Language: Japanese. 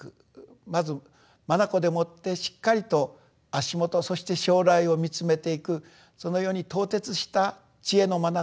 まず眼でもってしっかりと足元そして将来を見つめていくそのように透徹した知恵の眼